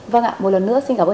vâng ạ một lần nữa xin cảm ơn